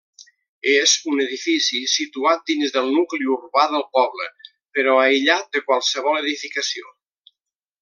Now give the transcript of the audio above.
És un edifici situat dins del nucli urbà del poble, però aïllat de qualsevol edificació.